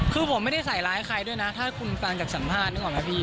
คือผมไม่ได้ใส่ร้ายใครด้วยนะถ้าคุณฟังจากสัมภาษณ์นึกออกไหมพี่